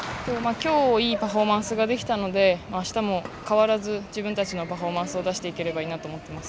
きょういいパフォーマンスができたのであしたも変わらず自分たちのパフォーマンスを出していければいいなと思ってます。